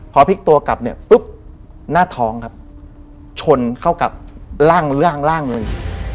พอพลิกตัวกลับเนี่ยปุ๊บหน้าท้องครับชนเข้ากับร่างเลย